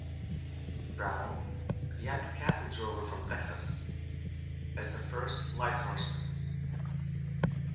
Brown, a young cattle drover from Texas, as the first lighthorseman.